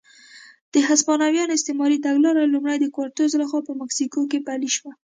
د هسپانویانو استعماري تګلاره لومړی د کورټز لخوا په مکسیکو کې پلې شوه.